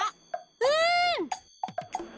うん！